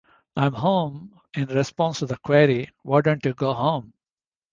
I am home," in response to the query, "Why don't you go home?